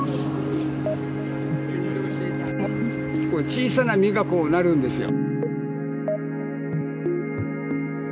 小さな実が、こうなるんですよ。